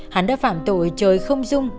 hắn đã phạm tội trời không dung